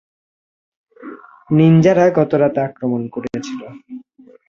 নিন্জারা গতরাতে আক্রমণ করেছিল।